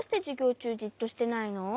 ちゅうじっとしてないの？